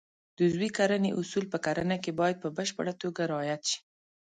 د عضوي کرنې اصول په کرنه کې باید په بشپړه توګه رعایت شي.